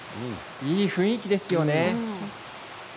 いい雰囲気ですよね。